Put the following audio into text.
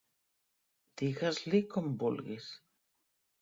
Digues-li com vulguis.